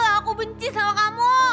aku benci sama kamu